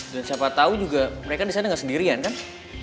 dan siapa tau juga mereka disana gak sendirian kan